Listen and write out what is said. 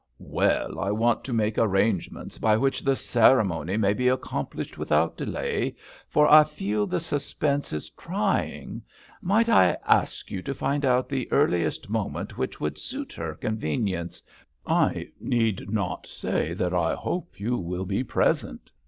"Well, I want to make arrangements by which the ceremony may be accomplished without delay, for I feel the suspense is trying. Might I ask you to find out the earliest moment which would suit her convenience? I need not say that I hope you will be present."